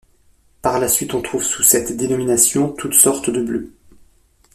Par la suite on trouve sous cette dénomination toute sorte de bleu.